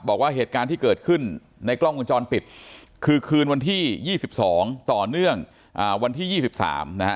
บอกว่าเหตุการณ์ที่เกิดขึ้นในกล้องวงจรปิดคือคืนวันที่๒๒ต่อเนื่องวันที่๒๓นะฮะ